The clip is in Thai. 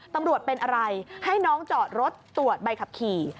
ตำรวจเป็นอะไรให้น้องจอดรถตรวจใบขับขี่